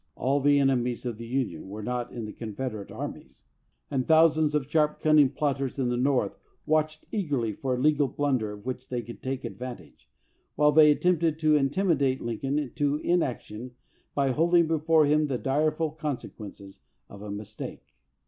All the enemies of the Union were not in the Confederate armies, and thousands of sharp, cunning plotters in the North watched eagerly for a legal blunder of which they could take ad vantage, while they attempted to intimidate Lin coln to inaction by holding before him the direful consequences of a mistake.